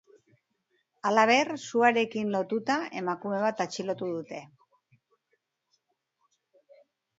Halaber, suaterekin lotuta, emakume bat atxilotu dute.